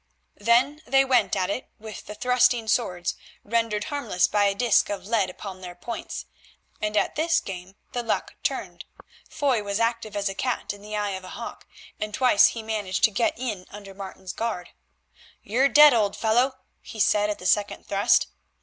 Then they went at it with the thrusting swords, rendered harmless by a disc of lead upon their points, and at this game the luck turned. Foy was active as a cat in the eye of a hawk, and twice he managed to get in under Martin's guard. "You're dead, old fellow," he said at the second thrust.